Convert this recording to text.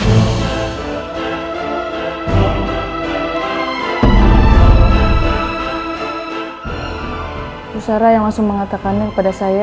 ibu sarah yang langsung mengatakan kepada saya